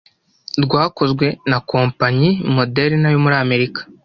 rwakozwe na kompanyi Moderna yo muri Amerika